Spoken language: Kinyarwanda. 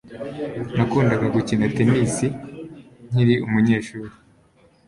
Nakundaga gukina tennis nkiri umunyeshuri